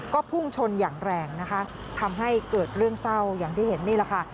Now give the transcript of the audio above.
ก็พุ่งชนอย่างแรงนะคะทำให้เกิดเรื่องเศร้าอย่างที่เห็นนี่แหละค่ะ